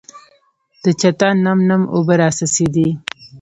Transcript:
د چته نم نم اوبه راڅڅېدې .